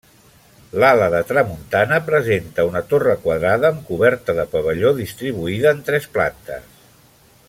L'ala de tramuntana presenta una torre quadrada amb coberta de pavelló, distribuïda en tres plantes.